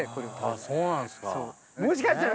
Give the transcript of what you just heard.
ああそうなんですか。